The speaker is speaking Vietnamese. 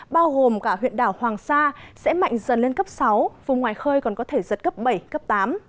bao gồm cả huyện đảo hoàng sa sẽ mạnh dần lên cấp sáu vùng ngoài khơi còn có thể giật cấp bảy cấp tám